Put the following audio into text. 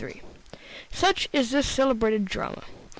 III Such is this celebrated drama.